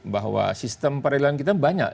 bahwa sistem peradilan kita banyak